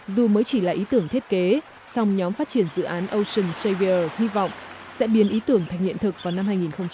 dù mới chỉ là ý tưởng thiết kế song nhóm phát triển dự án ocean savier hy vọng sẽ biến ý tưởng thành hiện thực vào năm hai nghìn hai mươi